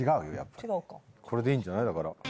これでいいんじゃない。